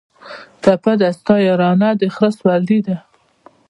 ټپه ده: ستا یارانه د خره سورلي ده